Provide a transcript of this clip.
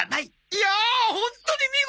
いやホントに見事な。